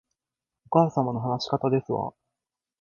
お母様の話し方ですわ